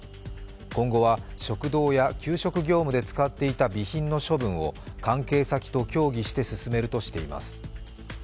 今後は食堂や給食業務で使っていた備品の処分を関係先と協議して進めるとしています。